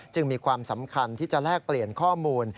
มีความสำคัญที่จะแลกเปลี่ยนข้อมูล